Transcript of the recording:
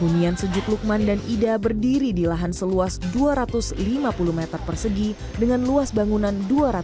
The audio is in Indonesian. rumian sejuk lukman dan ida berdiri di lahan seluas dua ratus lima puluh meter persegi dengan luas bangunan dua ratus meter persegi